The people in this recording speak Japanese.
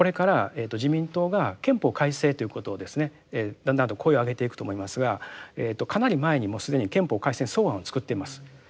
だんだんと声を上げていくと思いますがかなり前にもう既に憲法改正草案を作っています。